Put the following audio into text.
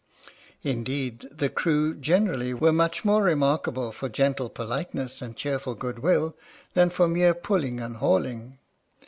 Indeed the crew, generally, were much more re markable for gentle politeness and cheerful goodwill than for mere pulling and hauling.